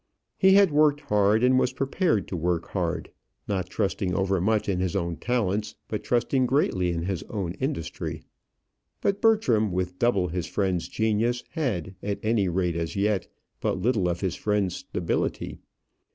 He had worked hard, and was prepared to work hard; not trusting over much in his own talents, but trusting greatly in his own industry. But Bertram, with double his friend's genius, had, at any rate as yet, but little of his friend's stability.